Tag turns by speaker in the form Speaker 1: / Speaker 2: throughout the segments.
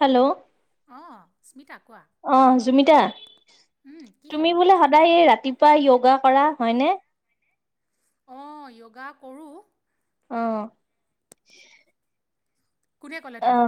Speaker 1: Hello!
Speaker 2: অঁ স্মিতা কোৱা।
Speaker 1: অ জুমিতা
Speaker 2: উম, কি
Speaker 1: তুমি
Speaker 2: খবৰ
Speaker 1: বোলে সদায় এই ৰাতিপুৱা ইয়োগা কৰা হয় নে?
Speaker 2: অঁ ইয়োগা কৰো।
Speaker 1: অ।
Speaker 2: কোনে ক'লে তোমাক?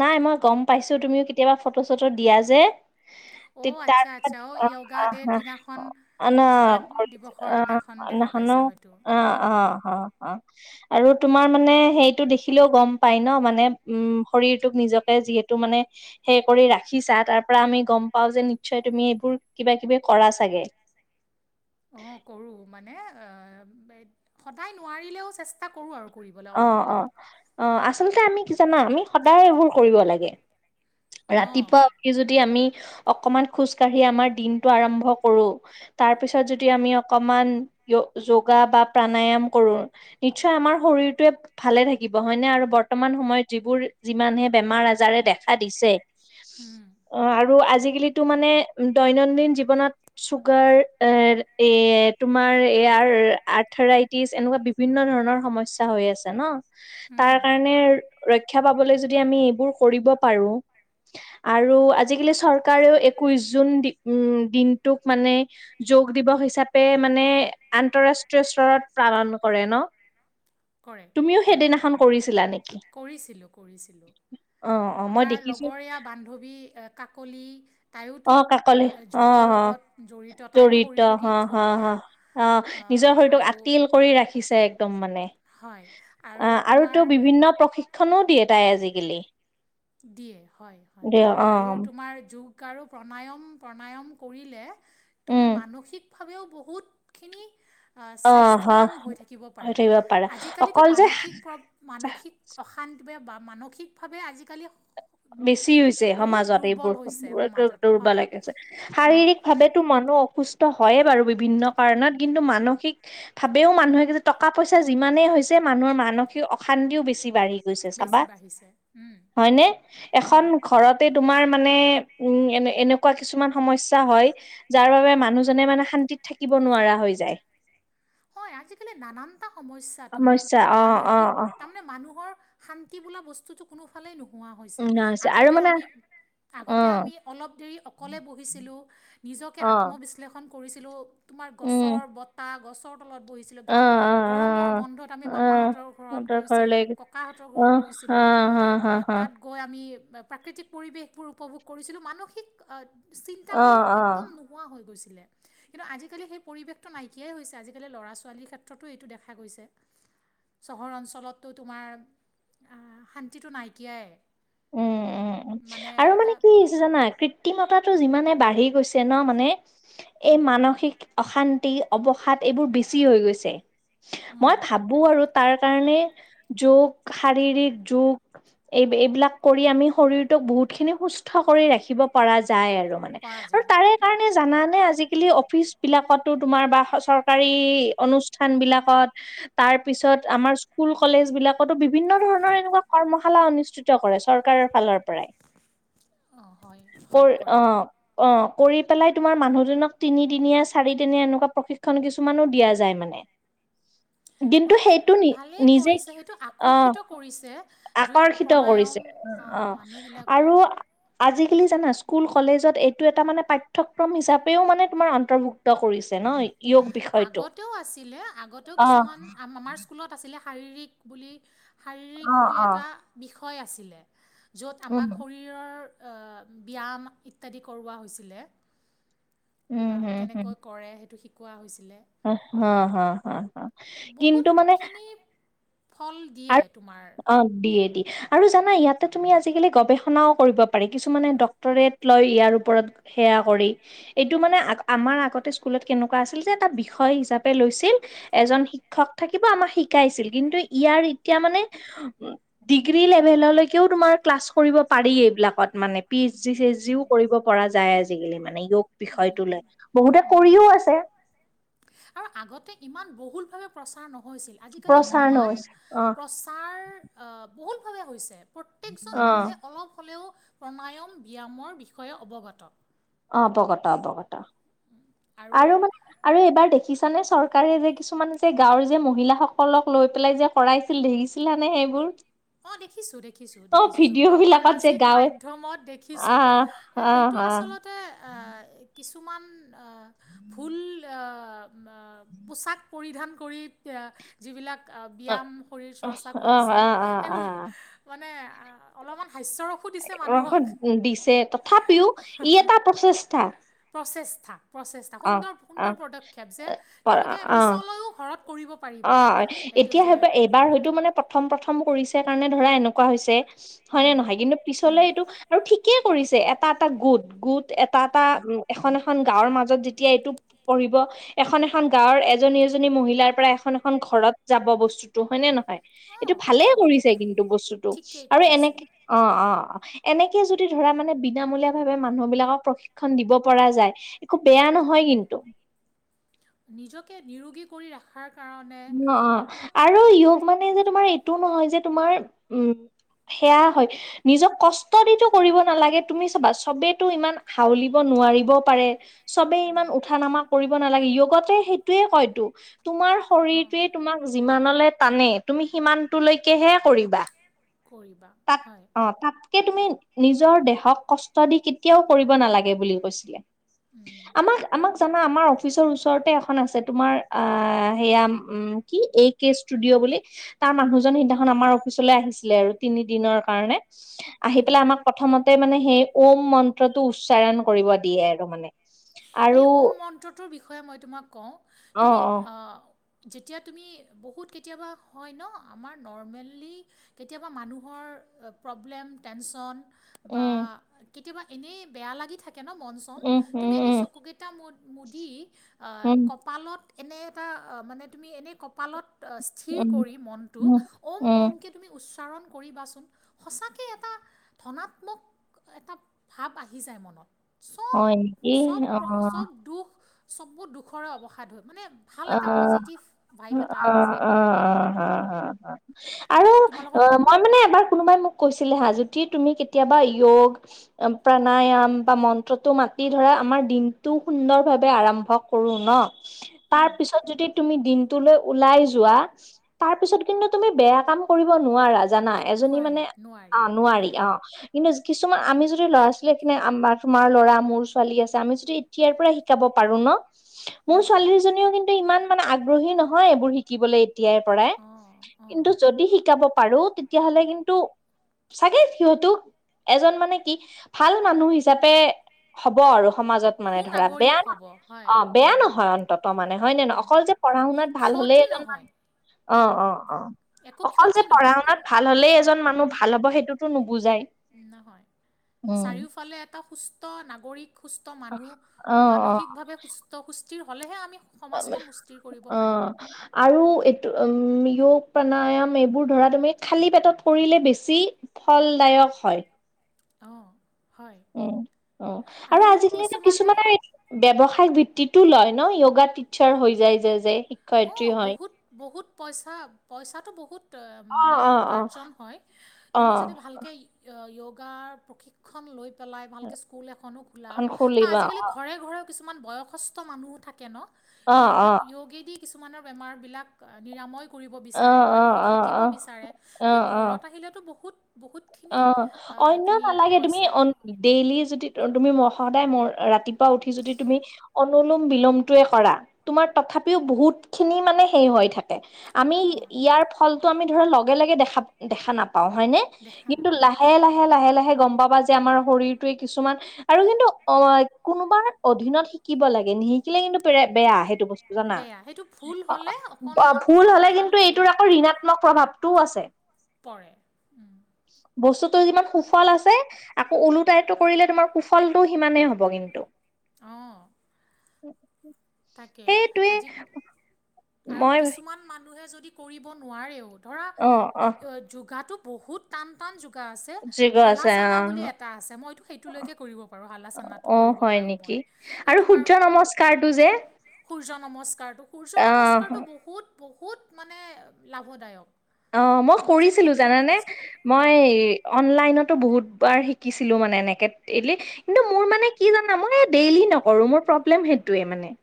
Speaker 1: নাই মই গম পাইছো তুমিও কেতিয়াবা ফটো চটো দিয়া যে।
Speaker 2: অঁ আচ্ছা আচ্ছা অঁ য়োগা ডে'ৰ দিনাখন
Speaker 1: [unintelligible] হনো
Speaker 2: যোগা দিৱসৰ দিনাখন দেখা পাইছা হয়তো
Speaker 1: অ অ
Speaker 2: উম,
Speaker 1: অ। অ আৰু তোমাৰ মানে সেইটো দেখিলেও গম পায় ন মানে উম শৰীৰটোক নিজকে যিহেতু মানে হে কৰি ৰাখিছা তাৰ পৰা আমি গম পাও যে নিশ্চয় তুমি এইবোৰ কিবা কিবি কৰা চাগে
Speaker 2: অঁ কৰো মানে সদায় নোৱাৰিলেও চে ষ্টা কৰো আৰু কৰিবলে
Speaker 1: অ অ অ আচলতে আমি কি জানা আমি সদায় এইবোৰ কৰিব লাগে।
Speaker 2: অঁ
Speaker 1: ৰাতিপুৱা উঠি যদি আমি অকনমান খোজ কাঢ়ি আমাৰ দিনটো আৰম্ভ কৰো তাৰপিছত যদি আমি অকমান ইয়োগা বা প্ৰাণায়াম কৰো নিশ্চয় আমাৰ শৰীৰ টোৱে ভালে থাকিব হয়নে আৰু বৰ্তমান সময়ত যিবোৰ যিমানহে বেমাৰ আজাৰে দেখা দিছে
Speaker 2: উম,
Speaker 1: অ আৰু আজিকালিতো মানে উম দৈনন্দিন জীৱনত চুগাৰ এ এ তোমাৰ এয়াৰ আৰ্থৰাই ডাইবিটিজ এনেকুৱা বিভিন্ন ধৰণৰ সমস্যা হৈ আছে ন
Speaker 2: উম,
Speaker 1: তাৰ কাৰণে ৰক্ষা পাবলৈ যদি আমি এইবোৰ কৰিব পাৰো আৰু আজিকালি চৰকাৰেও একৈশ জুন দিন উম দিনটোক মানে যোগ দিৱস হিচাপে মানে আন্তৰাষ্ট্ৰীয় স্তৰত পালন কৰে ন
Speaker 2: কৰে
Speaker 1: তুমিও
Speaker 2: কৰে
Speaker 1: সেইদিনাখন কৰিছিলা নেকি
Speaker 2: কৰিছিলোঁ কৰিছিলোঁ
Speaker 1: অ অ মই
Speaker 2: আমাৰ
Speaker 1: দেখিছো
Speaker 2: লগৰীয়া বান্ধৱী কাকলি
Speaker 1: অ কাকলি
Speaker 2: তাইটোক
Speaker 1: অ
Speaker 2: যুগৰ
Speaker 1: অ
Speaker 2: লগত জড়িত তাইৰো শৰীৰটো কি
Speaker 1: হ হ হ
Speaker 2: ধুনীয়া
Speaker 1: অ নিজৰ শৰীৰটোক
Speaker 2: আৰু
Speaker 1: আতিল কৰি ৰাখিছে একদম মানে
Speaker 2: হয়
Speaker 1: আ আৰু তো
Speaker 2: তোমাৰ
Speaker 1: বিভিন্ন প্ৰশিক্ষণও দিয়ে তাই আজিকালি
Speaker 2: দিয়ে হয় হয়
Speaker 1: দিয় অ
Speaker 2: আৰু তোমাৰ যোগ আৰু প্ৰণায়াম প্ৰণায়াম কৰিলে তুমি
Speaker 1: উম
Speaker 2: মানসিক ভাৱেও বহুত খিনি আ
Speaker 1: অ হ
Speaker 2: স্বাস্থ্যৱান হৈ থাকিব
Speaker 1: হৈ
Speaker 2: পাৰি
Speaker 1: থাকিব পাৰা
Speaker 2: আজিকালিতো
Speaker 1: অকল যে
Speaker 2: মানসিক প্ৰব মানসিক অশান্তি বা বে মানসিকভাৱে আজিকালি
Speaker 1: বেছি হৈছে
Speaker 2: বহুত
Speaker 1: সমাজত
Speaker 2: দুৰ্বল
Speaker 1: এইবোৰ
Speaker 2: হৈছে সমাজত
Speaker 1: দৌৰ্বা
Speaker 2: হয়
Speaker 1: লাগে
Speaker 2: উম
Speaker 1: শাৰীৰিক ভাৱেতো মানুহ অসুস্থ হয়ে বাৰু বিভিন্ন কাৰণত কিন্তু মানসিক ভাৱেও মানুহে যে টকা পইচা যিমানেই হৈছে যে মানুহৰ মানসিক অশান্তিও বেছি বাঢ়ি গৈছে চাবা
Speaker 2: বেছি বাঢ়িছে উম
Speaker 1: হয়নে এখন
Speaker 2: উম
Speaker 1: ঘৰতে তোমাৰ মানে উম এ এনেকুৱা কিছুমান সমস্যা হয় যাৰ বাবে মানুহজনে মানে শান্তিত থাকিব নোৱাৰা হৈ যায়
Speaker 2: হয় আজিকালি নানানটা সমস্যা তুমি
Speaker 1: সমস্যা অ অ
Speaker 2: মানসিক
Speaker 1: অ
Speaker 2: তাম মানে মানুহৰ শান্তি বোলা বস্তুটো কোনোফালে নোহোৱা হৈছে
Speaker 1: আৰু
Speaker 2: আগতে
Speaker 1: মানে
Speaker 2: আমি
Speaker 1: অ
Speaker 2: আগতে আমি অলপ দেৰি অকলে বহিছিলোঁ নিজকে
Speaker 1: অ
Speaker 2: আত্মবিশ্লেষণ কৰিছিলোঁ তোমাৰ
Speaker 1: উম
Speaker 2: গছৰ বতাহ গছৰ তলত বহিছি
Speaker 1: অ
Speaker 2: গাওঁ
Speaker 1: অ অ
Speaker 2: গৰমৰ বন্ধত আমি
Speaker 1: অ
Speaker 2: মামাহঁতৰ ঘৰত গৈছিলোঁ ককাহঁতৰ ঘৰত গৈছিলো
Speaker 1: হ হ হ হ
Speaker 2: গৈ আমি প্ৰাকৃতিক পৰিৱেশবোৰ উপভোগ কৰিছিলোঁ মানসিক অ চিন্তাবোৰ
Speaker 1: অ', অ'।
Speaker 2: একদম নোহোৱা হৈ গৈছিলে কিন্তু আজিকালি সেই পৰিৱেশটো নাইকিয়াই হৈছে আজিক কেলে ল'ৰা ছোৱালীৰ ক্ষেত্ৰতো এইটো দেখা গৈছে চহৰ অঞ্চলততো তোমাৰ আ শান্তিটো নাইকিয়াই
Speaker 1: উম উম উম আৰু মানে কি জানা কৃত্ৰিমতাটো যিমানে বাঢ়ি গৈছে ন মানে এই মানসিক অশান্তি অৱসাদ এইবোৰ বেছি হৈ গৈছে মই
Speaker 2: উম,
Speaker 1: ভাবো আৰু তাৰ কাৰণে যোগ শাৰীৰিক যোগ এই এইবিলাক কৰি আমি শৰীৰটোক বহুত খিনি সুস্থ কৰি ৰাখিব পাৰা যায় আৰু মানে
Speaker 2: পৰা
Speaker 1: আৰু
Speaker 2: যায়
Speaker 1: তাৰে সে কাৰণে জানানে আজিকালি অফিচ বিলাকত তো তোমাৰ বা চৰকাৰী অনুষ্ঠান বিলাকত তাৰ পিছত আমাৰ স্কুল কলেজ বিলাকতো বিভিন্ন ধৰণৰ এনেকুৱা কৰ্মশালা অনুষ্ঠিত কৰেছ কাৰ ফালৰ পৰাই
Speaker 2: অঁ হয় হয়
Speaker 1: কৌৰ
Speaker 2: কৰে
Speaker 1: অহ অ কৰি পেলাই তোমাৰ মানুহজনক তিনিদিনীয়া চাৰিদিনীয়া এনেকুৱা প্ৰশিক্ষণ কিছুমানো দিয়া যায় মানে দিনটো
Speaker 2: ভালো
Speaker 1: সেইটো নি
Speaker 2: ভালেই
Speaker 1: নিজে
Speaker 2: কৰিছে সেইটো
Speaker 1: অহ
Speaker 2: আকৰ্ষিত কৰিছে যোগ
Speaker 1: আকৰ্ষিত
Speaker 2: প্ৰণায়ম
Speaker 1: কৰিছে
Speaker 2: অঁ
Speaker 1: অ আৰু
Speaker 2: মানুহবিলাকৰ
Speaker 1: আজিকালি জানা স্কুল কলেজত এইটো এটা মানে পাঠ্যক্ৰম হিচাপেও মানে তোমাৰ অন্তৰ্ভুক্ কৰিছে ন? য়োগ বিষয়টো
Speaker 2: আগতেও আছিলে, আগতেও
Speaker 1: অহ
Speaker 2: কিছুমান আম-আমাৰ স্কুলত আছিলে, শাৰীৰিক বুলি, শাৰীৰিক
Speaker 1: অ
Speaker 2: বুলি
Speaker 1: অ
Speaker 2: এটা বিষয় আছিলে। য'ত
Speaker 1: উম
Speaker 2: আমাক শৰীৰৰ, এ ব্যায়াম ইত্যাদি কৰোৱা হৈছিলে।
Speaker 1: উম
Speaker 2: অ',
Speaker 1: হম
Speaker 2: কেনেকৈ কৰে, সেইটো শিকোৱা হৈছিলে।
Speaker 1: হা-হা-হা-হা, কিন্তু মানে
Speaker 2: বহুতখিনি ফল দিয়ে
Speaker 1: আৰু,
Speaker 2: তোমাৰ।
Speaker 1: অ', দি এ দি। আৰু জানা ইয়াতে তুমি আজিকালি গৱেষণাও কৰিব পাৰি, কিছুমানে ডক্টৰেট লয় ইয়াৰ ওপৰত। সেয়া কৰি, এইটো মানে আগ, আমাৰ আগতে স্কুলত কেনেকুৱা আছিল যে এটা বিষয় হিচাপে লৈছিল। ছিল, এজন শিক্ষক থাকিব আমাক শিকাইছিল, কিন্তু ইয়াৰ এতিয়া মানে ডিগ্ৰী লেভেলৈকেও তোমাৰ ক্লাছ কৰিব পাৰি এইবিলাকত মানে, P H D, C H ডিও কৰিব পৰা যায় আজিকালি মানে, য়োগ বিষয়টো লৈ, বহুতে কৰিও আছে।
Speaker 2: আৰু আগতে ইমান বহুলভাৱে প্ৰচাৰ নহৈছিল, আজিকালি
Speaker 1: প্ৰচাৰ
Speaker 2: ইমান
Speaker 1: নৈছে অ
Speaker 2: প্ৰচাৰ আহ, বহুল ভাবে হৈছে, প্ৰত্যেকজন
Speaker 1: অ
Speaker 2: মানুহে অলপ হ'লেও প্ৰণায়াম, ব্যায়ামৰ বিষয়ে অৱগত।
Speaker 1: অৱগত, অৱগত।
Speaker 2: [inaudible]
Speaker 1: আৰু মানে আৰু এইবাৰ দেখিছানে? চৰকাৰে যে কিছুমান যে গাঁৱৰ যে মহিলা সকলক লৈ পেলাই যে কৰাইছিল, দেখিছিলা নে সেইবোৰ?
Speaker 2: অ', দেখিছোঁ, দেখিছোঁ,
Speaker 1: অ
Speaker 2: দেখিছোঁ চব।
Speaker 1: ভিডিঅ' বিলাকত যে
Speaker 2: সামাজিক
Speaker 1: গাঁৱে
Speaker 2: মাধ্যয়মত দেখিছোঁ,
Speaker 1: আহ
Speaker 2: সেইটো
Speaker 1: আহ আহ
Speaker 2: আচলতে তে, এ কিছুমান, ভুল এ উম-আ পোচাক পৰিধান কৰি তে যিবিলাক ব্যায়াম, শৰীৰ চৰ্চা
Speaker 1: আহ
Speaker 2: কৰিছে,
Speaker 1: আহ
Speaker 2: সেইবোৰ
Speaker 1: আহ
Speaker 2: মানে, অলপমান হাস্যৰস
Speaker 1: ৰস দিছে, তথাপিও ই এটা প্ৰচেষ্টা।
Speaker 2: প্ৰচেষ্ঠা, প্ৰচেষ্টা,
Speaker 1: অ
Speaker 2: সুন্দৰ, সুন্দৰ পদক্ষেপ, যে তেওঁলোকে
Speaker 1: অ অ
Speaker 2: পিছলৈও ঘৰত কৰিব পাৰিব
Speaker 1: অ',
Speaker 2: এইটো
Speaker 1: এতিয়া
Speaker 2: যে
Speaker 1: হয় পাই, এইবাৰ হয়তো মানে প্ৰথম প্ৰথম কৰিছে কাৰণে ধৰা এনেকুৱা হৈছে, হয় নে
Speaker 2: উম,
Speaker 1: নহয়? কিন্তু পিছলে
Speaker 2: উম,
Speaker 1: এইটো আৰু ঠিক কে কৰিছে, এটা এটা গোট, গোট এটা এটা, এখন এখন গাঁৱৰ মাজত যেতিয়া এইটো পঢ়িব, এখন এখন গাঁওৰ এজনী এজনী মহিলাৰ পৰা এখন এখন ঘৰত যাব বস্তুতো, হয় নে নহয়? এইটো
Speaker 2: অঁ
Speaker 1: ভালে
Speaker 2: অঁ
Speaker 1: কৰিছে কিন্তু বস্তুটো,
Speaker 2: ঠিকেই
Speaker 1: আৰু
Speaker 2: কৰিছে
Speaker 1: এনেকে অ', অ', অ', এনেকে যদি ধৰা মানে বিনামূলীয়া ভাৱে মানুহ বিলাকক পশি ক্ষণ দিব পৰা যায় একো বেয়া নহয় কিন্তু।
Speaker 2: নিজকে নিৰোগী কৰি ৰাখ ৰখাৰ কাৰণে
Speaker 1: অ' অ', আৰু য়োগ মানে যে তোমাৰ এইটোও নহয় যে তোমাৰ উম সেয়া হয়, নিজক কষ্ট উষ্টাডিটো কৰিব নালাগে, তুমি চাবা, চবেতো ইমান হাউলিব নোৱাৰিব পাৰে। চবেই ইমান উঠা নামা কৰিব নালাগে, য়োগতোৱে সেইটোয়ে কয়তো, তোমাৰ শৰীৰটোৱে
Speaker 2: অঁ
Speaker 1: তোমাক যিমানলে টানে, তুমি সিমানটোলৈকেহে কৰিবা।
Speaker 2: কৰিবা
Speaker 1: তাত
Speaker 2: হয়
Speaker 1: অ', তাতকে তুমি নিজৰ দেহক কষ্ট দি কেতিয়াও কৰিব নালাগে বুলি কৈছিলে
Speaker 2: উম,
Speaker 1: আমাক আমাক জানা আমাৰ অফিচৰ ওচৰতে এখন আছে তোমাৰ আহ সেয়া উম কি এ কে ষ্টুডিঅ' বুলি। তাৰ মানুহজন সিদিনাখন আমাৰ অফিচলৈ আহিছিলে আৰু তিনিদিনৰ কাৰণে। আহি
Speaker 2: উম।
Speaker 1: পেলাই আমাক প্ৰথমতে মানে সেই ওম মন্ত্ৰটো উচ্চাৰণ কৰিব দিয়ে আৰু মানে। আৰু
Speaker 2: এই ওম মন্ত্ৰটোৰ বিষয়ে মই তোমাক কওঁ তুমি অ' যেতিয়া তুমি বহুত কেতিয়াবা হয় ন' আমাৰ নৰ্মেলি কেতিয়াবা মানুহৰ প্ৰব্লেম টেনশ্যন বা
Speaker 1: উম
Speaker 2: কেতিয়াবা এনেই বেয়া লাগি থাকে ন' মন চন
Speaker 1: উম উম
Speaker 2: তুমি এনে
Speaker 1: উম
Speaker 2: চকু কেইটা মু-মুদি অ'
Speaker 1: উম
Speaker 2: কপালত এনে এটা মানে তুমি এনেই কপালত স্থিৰ
Speaker 1: উম
Speaker 2: কৰি মনটো
Speaker 1: উম
Speaker 2: ওম
Speaker 1: উম
Speaker 2: ওম কে তুমি উচ্চাৰন কৰিবাচোন সঁচাকে এটা ধনাত্মক এটা ভাৱ আহি যায় মনত। চব চব
Speaker 1: [inaudible]
Speaker 2: চব দুখ চব দুখৰে অৱসাদ হয় মানে
Speaker 1: [inaudible]
Speaker 2: ভাল এটা
Speaker 1: [unintelligible]
Speaker 2: পজিটিভ ভাইব এটা আহি যায়
Speaker 1: আৰু
Speaker 2: তোমালোকক
Speaker 1: মই মানে এবাৰ কোনোবাই মোক কৈছিলে যদি তুমি কেতিয়াবা যৌগ প্ৰাণায়াম বা মন্ত্ৰটো মাতি ধৰা আমাৰ দিনটো সুন্দৰ ভাৱে আৰম্ভ কৰো ন' তাৰ পিছত যদি তুমি দিনটোলৈ ওলাই যোৱা তাৰ পিছত কিন্তু তুমি বেয়া কাম কৰিব নোৱাৰা জানা এজনী
Speaker 2: নোৱাৰি
Speaker 1: মানে
Speaker 2: নোৱাৰি
Speaker 1: অ' নোৱাৰি
Speaker 2: হয়
Speaker 1: অ'। কিন্তু কিছুমান আমি যদি ল'ৰা ছোৱালী সেইখিনয়ে আমাৰ তোমাৰ ল'ৰা মোৰ ছোৱালী আছে আমি যদি এতিয়াৰ পৰা শিকাব পাৰো ন! মোৰ
Speaker 2: অঁ
Speaker 1: ছোৱালীজনীও কিন্তু ইমান মানে আগ্ৰহী নহয় এইবোৰ শিকিবলৈ এতিয়াই পৰাই।
Speaker 2: অ'।
Speaker 1: কিন্তু যদি শিকাব পাৰো তেতিয়াহ'লে কিন্তু চাগে সিহঁতো এজন মানে কি ভাল মানুহ হিচাপে হ'ব আৰু সমাজত মানে ধৰা বেয়া
Speaker 2: সুনাগৰিক
Speaker 1: নহয়
Speaker 2: হ'ব হয়
Speaker 1: অ' বেয়া
Speaker 2: উম
Speaker 1: নহয় অ' [unintelligible] মানে হয় নে নহয়?
Speaker 2: উম
Speaker 1: অকল যে পঢ়া শুনাত ভাল হ'লেই
Speaker 2: ক্ষতি
Speaker 1: এজন
Speaker 2: নহয়
Speaker 1: মানুহ অ' অ' অ'।
Speaker 2: একো
Speaker 1: অকল যে
Speaker 2: ক্ষতি
Speaker 1: পঢ়া
Speaker 2: নহয়
Speaker 1: শুনাত ভাল হলেই
Speaker 2: অঁ
Speaker 1: এজন মানুহ
Speaker 2: অঁ
Speaker 1: ভাল
Speaker 2: অঁ
Speaker 1: হ'ব সেইটোতো নুবুজাই।
Speaker 2: নহয়
Speaker 1: উম
Speaker 2: চাৰিওফালে এটা সুস্থ সুস্থ নাগৰিক সুস্থ মানুহ
Speaker 1: অ অ
Speaker 2: মানসিক ভাৱে সুস্থ সুস্থিৰ হ'লেহে আমি সমাজখন সুস্থিৰ কৰিব
Speaker 1: অ
Speaker 2: পাৰিম।
Speaker 1: আৰু এইটো উ-যৌগ প্ৰাণায়াম এইবোৰ ধৰা তুমি খালী পেটত কৰিলে বেছি ফলদায়ক হয়।
Speaker 2: অ'।
Speaker 1: উম, অ' আৰু আজিকালিতো কিছুমানে ব্যৱসায়িক ভিত্তিতো লয় ন যৌগা টিচাৰ হৈ যায় যে যে। শিক্ষয়িত্ৰী
Speaker 2: অ',
Speaker 1: হয়।
Speaker 2: বহুত বহুত পইচা পইচাটো বহুত অ', মানে উপাৰ্জন হয় তুমি যদি
Speaker 1: অ',
Speaker 2: ভালকৈ যৌগাৰ প্ৰশিক্ষণ লৈ পেলাই ভালকৈ স্কুল এখনো খোলা
Speaker 1: খন
Speaker 2: বা
Speaker 1: খুলিবা
Speaker 2: আজিকালি ঘৰে ঘৰেও কিছুমান বয়সস্থ মানুহো থাকে ন।
Speaker 1: অ',
Speaker 2: যৌগ
Speaker 1: অ',
Speaker 2: যৌগেদি কিছুমানৰ বেমাৰবিলাক নিৰাময় কৰিব
Speaker 1: অ',
Speaker 2: বিচাৰে বা
Speaker 1: অ',
Speaker 2: যৌগ শিকিব
Speaker 1: অ',
Speaker 2: বিচাৰে তুমি
Speaker 1: অ', অ',
Speaker 2: ঘৰত আহিলেতো বহুত
Speaker 1: অ
Speaker 2: বহুতখিনি আ
Speaker 1: অন্য
Speaker 2: তুমি
Speaker 1: নালাগে তুমি
Speaker 2: পইচা
Speaker 1: ডেইলি যদি তুমি মোৰ সদায় মোৰ ৰাতিপুৱা উঠি যদি তুমি অনোলোম বিলোমটোৱে কৰা তোমাৰ তথাপিও বহুত খিনি মানে সেই হৈ থাকে। আমি
Speaker 2: অঁ
Speaker 1: ইয়াৰ ফলতো আমি ধৰা লগে লগে দেখা, দেখা নাপাও হয়নে
Speaker 2: দেখা
Speaker 1: কিন্তু
Speaker 2: নাপাওঁ
Speaker 1: লাহে লাহে লাহে লাহে গম পাবা যে আমাৰ শৰীৰটোৱে কিছুমান আৰু কিন্তু অ কোনোবাৰ অধীনত শিকিব লাগে নিশিকিলে কিন্তু বে বেয়া সেইটো বস্তু। জানা
Speaker 2: বেয়া সেইটো ভুল হ'লে
Speaker 1: অ
Speaker 2: অকণমান
Speaker 1: ভুল
Speaker 2: ইফাল
Speaker 1: হলে
Speaker 2: সিফাল
Speaker 1: কিন্তু এইটোৰ
Speaker 2: হ'লে
Speaker 1: আকৌ ঋণাত্মক প্ৰভাৱটোও আছে।
Speaker 2: পৰে
Speaker 1: বস্তুটো যিমান সুফল আছে আকৌ ওলোটাইতো কৰিলে তোমাৰ কুফলটো সিমানেই হ'ব কিন্তু
Speaker 2: অ
Speaker 1: উ উ
Speaker 2: তাকে আজি আৰু
Speaker 1: মই
Speaker 2: কিছুমান মানুহে যদি কৰিব নোৱাৰেও ধৰা
Speaker 1: অ অ
Speaker 2: য যোগাটো বহুত টান টান যোগাৰ আছে
Speaker 1: যোগ আছে অ
Speaker 2: হালাচানা বুলি এটা আছে মইটো সেইটোলৈকে কৰিব আৰু হালাচানাটো
Speaker 1: অ
Speaker 2: কৰিব
Speaker 1: হয়
Speaker 2: পাৰো মই এই তোমাৰ
Speaker 1: এইটো যে
Speaker 2: সূৰ্য নমস্কাৰটো সূৰ্য
Speaker 1: আহ
Speaker 2: নমস্কাৰটো বহুত বহুত মানে লাভদায়ক।
Speaker 1: অ মই
Speaker 2: তুমি যদি
Speaker 1: কৰিছিলো
Speaker 2: সূৰ্য
Speaker 1: জানানে
Speaker 2: নমস্কাৰ
Speaker 1: মই
Speaker 2: অঁ
Speaker 1: অনলাইনতো বহুতবাৰ শিকিছিলো মানে এনেকে ডেইলি কিন্তু মোৰ মানে কি জানা মই এয়া ডেইলি নকৰো মোৰ প্ৰব্লেম সেইটোৱে মানে।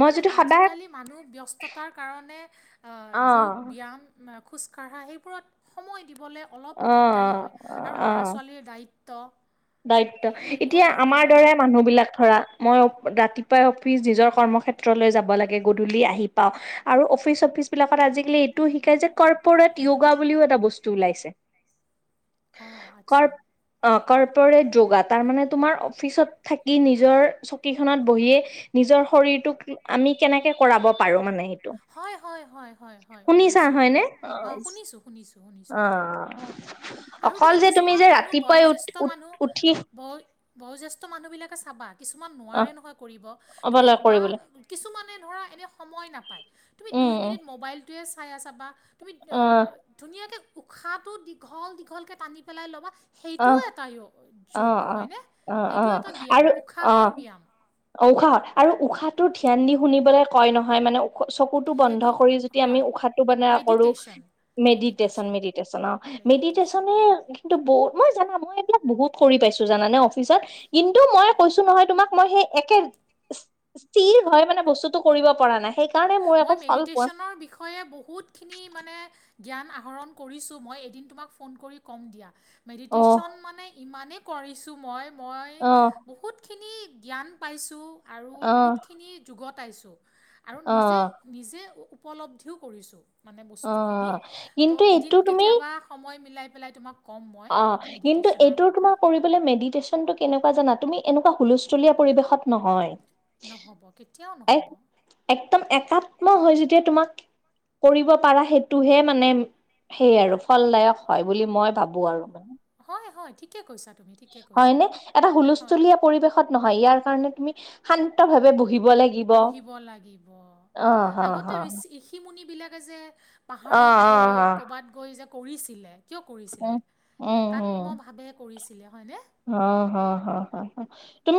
Speaker 1: মই
Speaker 2: মানে
Speaker 1: যদি সদায়
Speaker 2: আজিকালি মানুহ ব্যস্ততাৰ কাৰণে আ
Speaker 1: অ
Speaker 2: যোগ ব্যায়াম বা খোজকাঢ়া সেইবোৰত সময় দিবলৈ অলপ
Speaker 1: অ
Speaker 2: দিগদাৰী হয় আৰু
Speaker 1: অ
Speaker 2: ল'ৰা ছোৱালীৰ দায়িত্ব ত
Speaker 1: দায়িত্ব এতিয়া আমাৰ দৰে মানুহ বিলাক ধৰা মই ৰাতিপুৱাই অফিচ নিজৰ কৰ্মক্ষেত্ৰলৈ যাব লাগে গধূলি আহি পাওঁ। আৰু অফিচ চফিচ বিলাকত আজিকালি এইটো শিকাই যে কৰ্পৰেট য়োগা বুলিও এটা বস্তু ওলাইছে। [inaudible]
Speaker 2: অ
Speaker 1: কৰ
Speaker 2: আচ্ছা
Speaker 1: অ কৰ্পৰেট যোগা তাৰমানে তোমাৰ অফিচত থাকি নিজৰ চকীখনত বহিয়ে নিজৰ শৰীৰটোক আমি কেনেকে কৰাব পাৰো মানে।
Speaker 2: হয় হয় হয় হয় হয়
Speaker 1: শুনিছা
Speaker 2: বুজিছো অ
Speaker 1: হয়নে
Speaker 2: অ শুনিছো শুনিছো শুনিছো এইটো আৰু
Speaker 1: অকল
Speaker 2: তুমি
Speaker 1: যে
Speaker 2: কিছুমান
Speaker 1: যে
Speaker 2: মানুহ
Speaker 1: ৰাতিপুৱাই উঠ
Speaker 2: বয়োজ্যেষ্ঠ
Speaker 1: উঠ
Speaker 2: মানুহ
Speaker 1: উঠি
Speaker 2: বয় বয়োজ্যেষ্ঠ মানুহবিলাকে চাবা কিছুমান
Speaker 1: অ
Speaker 2: নোৱাৰে নহয় কৰিব তুমি
Speaker 1: অবলা
Speaker 2: বা
Speaker 1: কৰিবলৈ
Speaker 2: কিছুমানে ধৰা এনে সময় নাপায় তুমি
Speaker 1: উম
Speaker 2: দুই
Speaker 1: উম
Speaker 2: মিনিট মোবাইলটোৱে চাই আছা বা তুমি
Speaker 1: অ
Speaker 2: ধুনীয়াকে উশাহটো দীঘল দীঘলকে টানি পেলাই ল'বা
Speaker 1: অ
Speaker 2: সেইটো এটা
Speaker 1: অ
Speaker 2: যুগ
Speaker 1: অ
Speaker 2: হয়নে
Speaker 1: অ অ
Speaker 2: সেইটো এটা ব্যায়াম
Speaker 1: আৰু
Speaker 2: উশাহৰ ব্যায়াম।
Speaker 1: অ উশাহ আৰু উশাহটো ধ্যান দি শুনিবলৈ কয় নহয় মানে চকুটো বন্ধ
Speaker 2: সেইটো
Speaker 1: কৰি যদি আমি
Speaker 2: হয়
Speaker 1: উশাহটো বনৰা কৰো
Speaker 2: মেডিটেশ্যন
Speaker 1: মেডিটেশন
Speaker 2: মেডিটেশ্যন
Speaker 1: মেডিটেশন অ
Speaker 2: মেডিটেশ্যন
Speaker 1: মেডিটেশনৰ কিন্তু বহুত জানা মই এইবিলাক বহুত কৰি পাইছো জানানে অফিচত কিন্তু মই কৈছো নহয় তোমাক মই সেই একে ঠিৰ হয় মানে বস্তুটো কৰিব পৰা নাই সেই
Speaker 2: মই মেডিটেশ্যনৰ বিষয়ে বহুত খিনি মানে জ্ঞান আহৰণ কৰিছো মই এদিন তোমাক ফোন কৰি ক'ম দিয়া।
Speaker 1: অ
Speaker 2: মেডিটেশ্যন মানে ইমানেই কৰিছো মই মই
Speaker 1: অ
Speaker 2: বহুত বহুতখিনি জ্ঞান পাইছো আৰু
Speaker 1: অ
Speaker 2: বহুতখিনি যুগত আহিছো আৰু
Speaker 1: অ
Speaker 2: নিজে নিজে উপলব্ধিও কৰিছোঁ মানে
Speaker 1: অ
Speaker 2: বস্তুখিনি ত
Speaker 1: কিন্তু
Speaker 2: এদিন
Speaker 1: এইটো তুমি
Speaker 2: কেতিয়াবা সময় মিলাই পেলাই তোমাক ক'ম মই মেডিটেশ্যনৰ কথা
Speaker 1: বোলে মেডিটেশন টো কেনেকুৱা জানা তুমি এনেকুৱা হুলস্থুল পৰিৱেশত নহয়
Speaker 2: নহ'ব কেতিয়াও নহ'ব
Speaker 1: এক একদম একাত্ম হৈ যেতিয়া তোমাক কৰিব পাৰা সেইটোহে মানে সেই আৰু ফলদায়ক হয় বুলি মই ভাবো আৰু
Speaker 2: হয় হয় ঠিকে কৈছা তুমি ঠিকে
Speaker 1: হয়
Speaker 2: কৈছা
Speaker 1: নে এটা
Speaker 2: হয়
Speaker 1: হুলস্থুলীয়া পৰিৱেশত নহয় ইয়াৰ কাৰণে তুমি শান্ত ভাৱে বহিব লাগ
Speaker 2: বহিব লাগিব
Speaker 1: হ
Speaker 2: আগতে
Speaker 1: হ
Speaker 2: ঋচি ঋষি মুনিবিলাকে যে
Speaker 1: অ
Speaker 2: পাহাৰত
Speaker 1: অ
Speaker 2: গৈ
Speaker 1: হ
Speaker 2: ক'বাত গৈ যে কৰিছিলে কিয়
Speaker 1: উম
Speaker 2: কৰিছিলে
Speaker 1: উম উম
Speaker 2: একাত্মভাৱে কৰিছিলে হয়নে
Speaker 1: অ হ হ হ তুমি